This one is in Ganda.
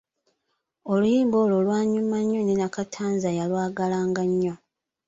Oluyimba olwo lwanyuma nnyo ne Nakatanza yalwagalanga nnyo.